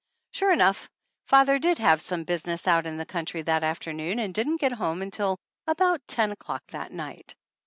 Sure enough father did have some business out in the country that afternoon and didn't get home until about ten o'clock that night.